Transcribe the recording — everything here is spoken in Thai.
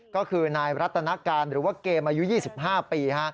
ก็คือนายรัตนการหรือว่าเกมอายุ๒๕ปี